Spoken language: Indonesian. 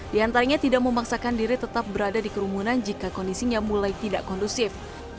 di antaranya tidak memaksakan diri tetap berada di kerumunan jika kondisinya mulai tidak kondusif